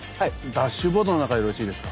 ダッシュボードの中よろしいですか？